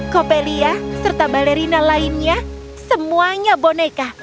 coppelia serta balerina lainnya semuanya boneka